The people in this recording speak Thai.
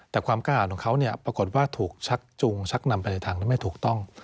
แต่ความกล้าอ่านของเขาเนี่ยปรากฏว่าถูกชักจุงชักนำไปในทางนั้นไม่ถูกต้อง